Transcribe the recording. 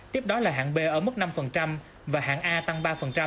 tiếp đó là hạng b ở mức năm và hạng a tăng ba